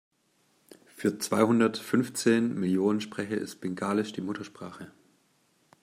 Für zweihundertfünfzehn Millionen Sprecher ist Bengalisch die Muttersprache.